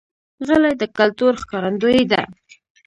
غلۍ د کلتور ښکارندوی ده.